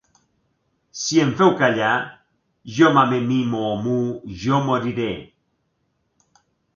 Si em feu callar, jo ma, me, mi, mo, mu jo moriré.